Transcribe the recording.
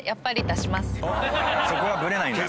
そこはブレないんだね。